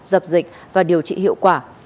dập dịch và điều trị hiệu quả